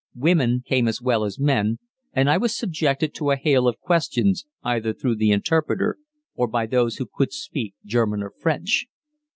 Women came as well as men, and I was subjected to a hail of questions, either through the interpreter or by those who could speak German or French.